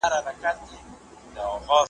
شیخ دي نڅیږي پر منبر، منصور پر دار ختلی .